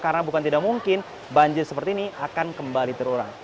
karena bukan tidak mungkin banjir seperti ini akan kembali terurang